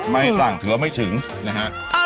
ไม่สั่งถือว่าไม่ถึงนะฮะ